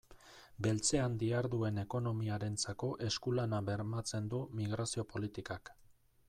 Beltzean diharduen ekonomiarentzako esku-lana bermatzen du migrazio politikak.